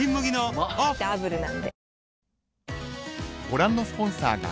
うまダブルなんで